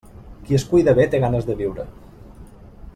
Qui es cuida bé, té ganes de viure.